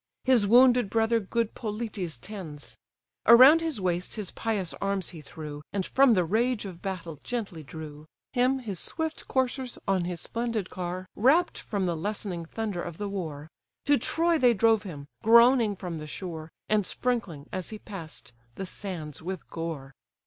His wounded brother good Polites tends; Around his waist his pious arms he threw, And from the rage of battle gently drew: Him his swift coursers, on his splendid car, Rapt from the lessening thunder of the war; To Troy they drove him, groaning from the shore, And sprinkling, as he pass'd, the sands with gore.